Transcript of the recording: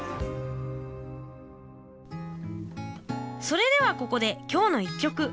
それではここで今日の１曲。